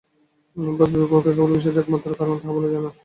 বাস্তবিকপক্ষে কেবল বিশ্বাসই যে একমাত্র কারণ, তাহা বলা যায় না।